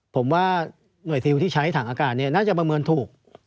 ผมว่าหน่วยซิลที่ใช้ถังอากาศน่าจะประเมินถูก